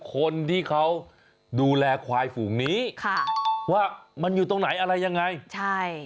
คนที่เขาดูแลควายฝูงนี้ค่ะว่ามันอยู่ตรงไหนอะไรยังไงใช่